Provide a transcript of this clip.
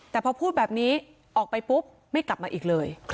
แต่พอพูดแบบนี้ออกไปปุ๊บไม่กลับมาอีกเลย